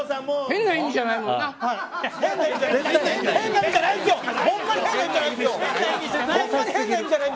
変な意味じゃないもんな。